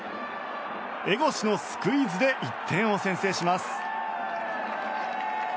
江越のスクイズで１点を先制します。